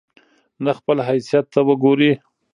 نه خپل حيثت ته وګوري